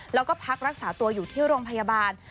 แล้วก็พักรักษาตัวอยู่ที่โรงพยาบาล